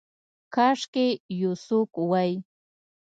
کاشکي یو څوک وی